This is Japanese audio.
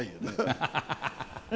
ハハハハ。